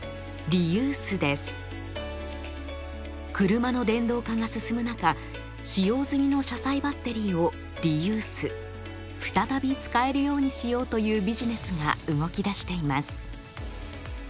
車の電動化が進む中使用済みの車載バッテリーをリユース再び使えるようにしようというビジネスが動きだしています。